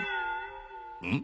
うん？